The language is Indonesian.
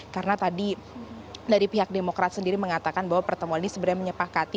karena tadi dari pihak demokrat sendiri mengatakan bahwa pertemuan ini sebenarnya menyepakati